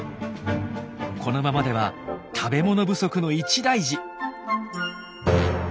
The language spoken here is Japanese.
このままでは食べ物不足の一大事。